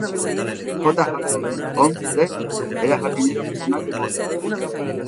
J Harold Olmsted, era jardinero personal de Mott.